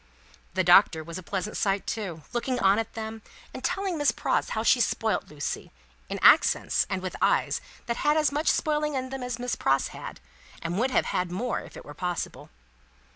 The Doctor was a pleasant sight too, looking on at them, and telling Miss Pross how she spoilt Lucie, in accents and with eyes that had as much spoiling in them as Miss Pross had, and would have had more if it were possible.